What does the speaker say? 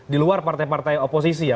di luar partai partai oposisi ya